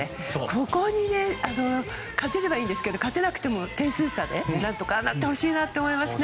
ここに勝てればいいんですけど勝てなくても点数差で何とか上がってほしいですね。